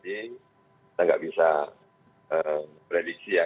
kita nggak bisa prediksi ya